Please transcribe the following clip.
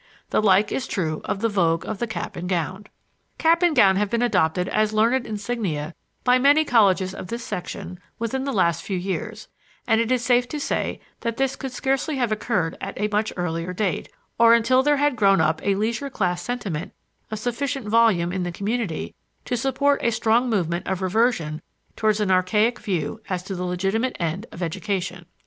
The like is true of the vogue of the cap and gown. Cap and gown have been adopted as learned insignia by many colleges of this section within the last few years; and it is safe to say that this could scarcely have occurred at a much earlier date, or until there had grown up a leisure class sentiment of sufficient volume in the community to support a strong movement of reversion towards an archaic view as to the legitimate end of education.